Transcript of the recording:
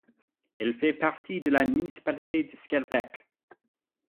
Elle fait partie de la municipalité de Skærbæk.